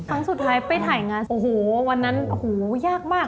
ครั้งสุดท้ายไปถ่ายงานโอ้โหวันนั้นโอ้โหยากมาก